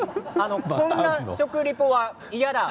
こんな食リポは嫌だ。